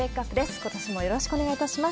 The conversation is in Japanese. ことしもよろしくお願いいたします。